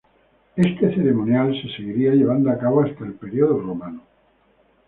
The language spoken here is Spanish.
Este ceremonial se seguiría llevando a cabo hasta el período romano.